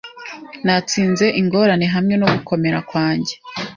Natsinze ingorane hamwe no gukomera kwanjye.